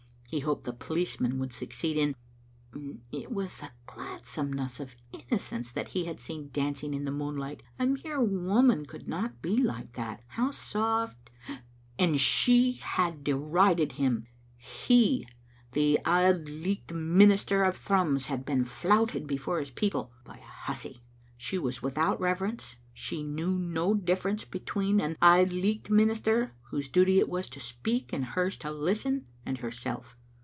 He hoped the policemen would succeed in . It was the gladsomeness of innocence that he had seen dancing in the moonlight. A mere woman could not be like that. How soft . And she had derided him ; he, the Auld Licht minister of Thrums, had been flouted before his people by a hussy. She was without rever ence, she knew no difference between an Auld Licht minister, whose duty it was to speak and hers to listen, and herself.